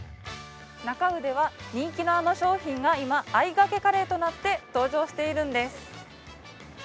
なか卯では、人気のあの商品があいがけカレーとなって登場しているんです。